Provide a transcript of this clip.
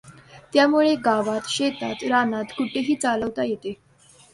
त्यामुळे गावात, शेतात, रानात कुठेहि चालवता येते.